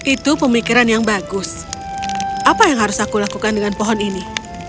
itu pemikiran yang bagus apa yang harus aku lakukan dengan pohon ini